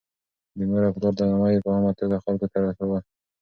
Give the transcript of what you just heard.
د مور او پلار درناوی يې په عامه توګه خلکو ته ښووه.